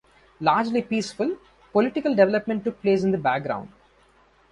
Largely peaceful, political development took place in the background.